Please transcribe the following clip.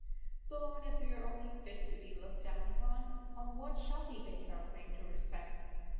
So long as we are only fit to be looked down upon, on what shall we base our claim to respect?